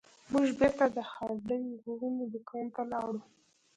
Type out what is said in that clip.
موږ بیرته د هارډینګ ورونو دکان ته لاړو.